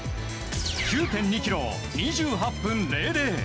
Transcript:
９．２ｋｍを１８分００。